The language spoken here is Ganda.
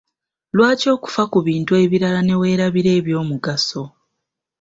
Lwaki okufa ku bintu ebirala ne weerabira eby’omugaso?